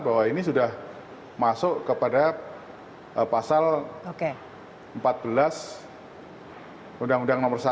bahwa ini sudah masuk kepada pasal empat belas undang undang nomor satu